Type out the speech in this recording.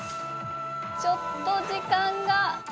ちょっと時間が。